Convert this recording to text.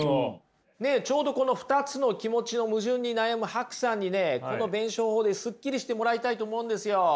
ちょうどこの２つの気持ちの矛盾に悩むＨＡＫＵさんにねこの弁証法でスッキリしてもらいたいと思うんですよ。